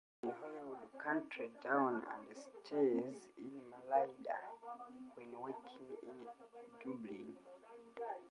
He lives in Holywood, County Down and stays in Malahide when working in Dublin.